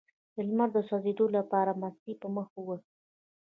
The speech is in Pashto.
د لمر د سوځیدو لپاره مستې په مخ ووهئ